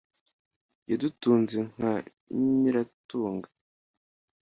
yadutunze nka nyiratunga